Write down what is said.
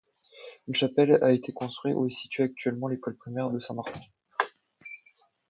Une chapelle a été construite où est située actuellement l'école primaire de Saint-Martin.